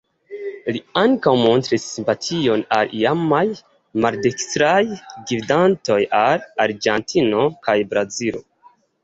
Li ankaŭ montris simpation al iamaj maldekstraj gvidantoj de Argentino kaj Brazilo.